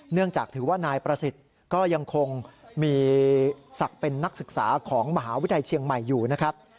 จากถือว่านายประสิทธิ์ก็ยังคงมีศักดิ์เป็นนักศึกษาของมหาวิทยาลัยเชียงใหม่อยู่นะครับ